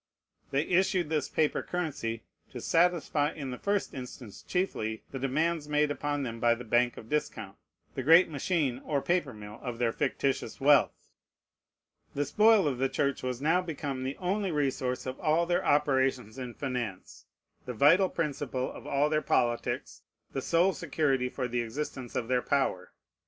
They issued this paper currency to satisfy in the first instance chiefly the demands made upon them by the bank of discount, the great machine or paper mill of their fictitious wealth. The spoil of the Church was now become the only resource of all their operations in finance, the vital principle of all their politics, the sole security for the existence of their power.